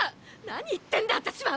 何言ってんだ私は！